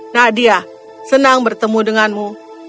nadia senang bertemu denganmu